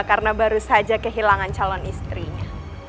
karena baru saja kehilangan calon istrinya